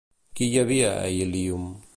Què hi havia a Ilium?